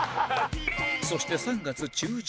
そして３月中旬